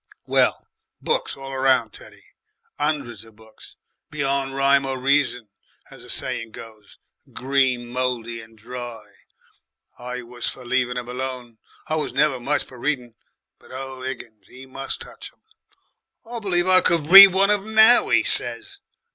"Well, books all round, Teddy, 'undreds of books, beyond rhyme or reason, as the saying goes, green mouldy and dry. I was for leaven' 'em alone I was never much for reading but ole Higgins he must touch em. 'I believe I could read one of 'em NOW,' 'e says.